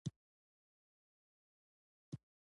مېوې د افغانستان د طبیعت د ښکلا یوه مهمه برخه ده.